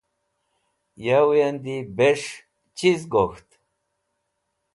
Yawẽ andi bes̃h chiz gok̃ht?